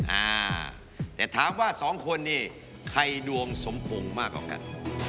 อ่าแต่ถามว่าสองคนนี่ใครดวงสมพงษ์มากกว่ากัน